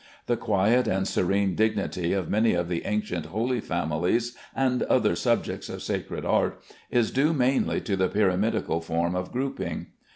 The quiet and serene dignity of many of the ancient Holy Families and other subjects of sacred art is due mainly to the pyramidical form of grouping.